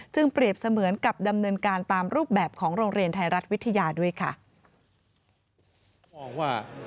เปรียบเสมือนกับดำเนินการตามรูปแบบของโรงเรียนไทยรัฐวิทยาด้วยค่ะ